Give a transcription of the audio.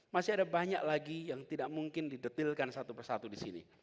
masih ada banyak lagi yang tidak mungkin didetilkan satu persatu di sini